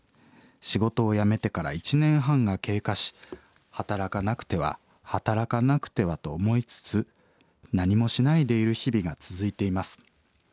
仕事を辞めてから１年半が経過し働かなくては働かなくてはと思いつつ何もしないでいる日々が続いています。